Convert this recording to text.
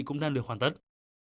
cũng đang được hoàn tất